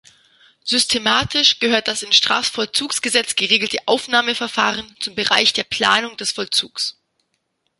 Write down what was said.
Systematisch gehört das in Strafvollzugsgesetz geregelte Aufnahmeverfahren zum Bereich der Planung des Vollzugs.